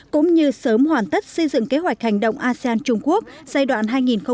cũng như sớm hoàn tất xây dựng kế hoạch hành động asean trung quốc giai đoạn hai nghìn hai mươi hai nghìn hai mươi năm